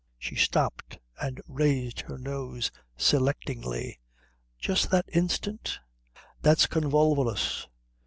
She stopped and raised her nose selectingly. "Just that instant? That's convolvulus."